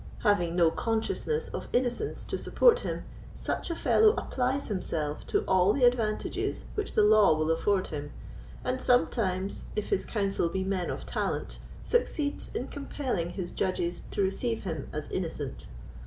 Having no consciousness of innocence to support him, such a fellow applies himself to all the advantages which the law will afford him, and sometimes—if his counsel be men of talent—succeeds in compelling his judges to receive him as innocent.